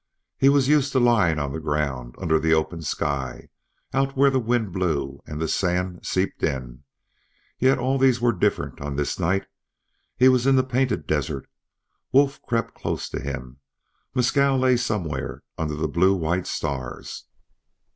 He was used to lying on the ground, under the open sky, out where the wind blew and the sand seeped in, yet all these were different on this night. He was in the Painted Desert; Wolf crept close to him; Mescal lay somewhere under the blue white stars.